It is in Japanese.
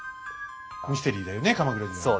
ミステリーだよね鎌倉時代の。